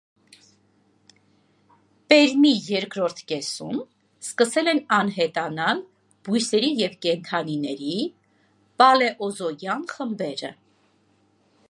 Պերմի երկրորդ կեսում սկսել են անհետանալ բույսերի և կենդանիների պալեոզոյան խմբերը։